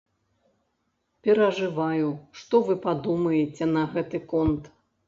Перажываю, што вы падумаеце на гэты конт.